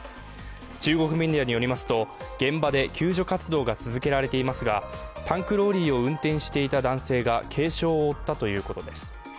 中国メディアによりますと現場で救助活動が続けられていますがタンクローリーを運転していた男性が軽傷を負ったということです。